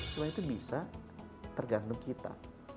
semua itu bisa tergantung kita